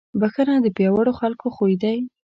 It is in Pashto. بښنه د پیاوړو خلکو خوی دی.